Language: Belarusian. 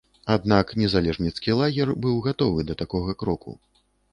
Аднак незалежніцкі лагер быў гатовы да такога кроку.